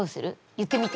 言ってみて。